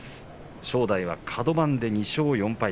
正代はカド番で２勝４敗。